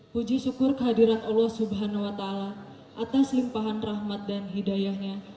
puji syukur kehadiran allah swt atas limpahan rahmat dan hidayahnya